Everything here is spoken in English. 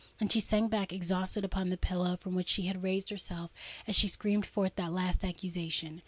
And she sank back exhausted upon the pillow, from which she had raised herself as she screamed forth that last accusation.